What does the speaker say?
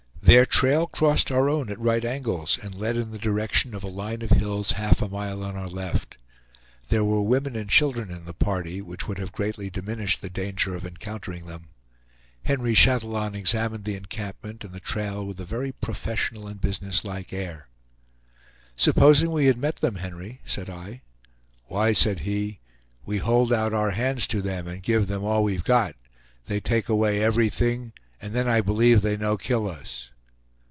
Their trail crossed our own at right angles, and led in the direction of a line of hills half a mile on our left. There were women and children in the party, which would have greatly diminished the danger of encountering them. Henry Chatillon examined the encampment and the trail with a very professional and businesslike air. "Supposing we had met them, Henry?" said I. "Why," said he, "we hold out our hands to them, and give them all we've got; they take away everything, and then I believe they no kill us.